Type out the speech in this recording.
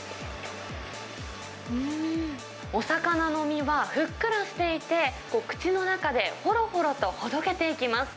お魚の身はふっくらしていて、口の中でほろほろと、ほどけていきます。